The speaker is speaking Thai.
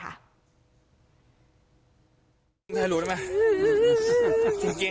นายรู้นะแม่